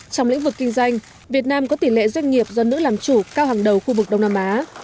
trong lĩnh vực kinh doanh việt nam có tỷ lệ doanh nghiệp do nữ làm chủ cao hàng đầu khu vực đông nam á